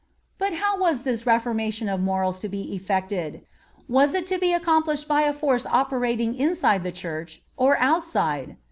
But how was this reformation of morals to be effected? Was it to be accomplished by a force operating inside the Church, or outside?